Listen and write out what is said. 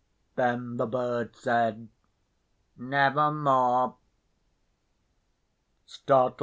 Then the bird said, "Nevermore."